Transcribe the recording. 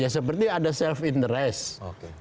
seperti ada self interest